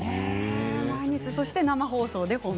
毎日、そして生放送で。